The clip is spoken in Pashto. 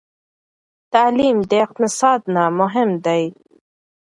تعلیم د اقتصاد نه مهم دی.